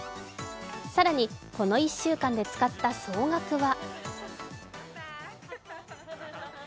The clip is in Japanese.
更に、この１週間で使った総額は。